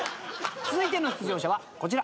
続いての出場者はこちら。